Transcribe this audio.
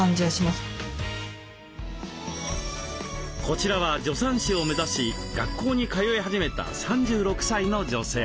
こちらは助産師を目指し学校に通い始めた３６歳の女性。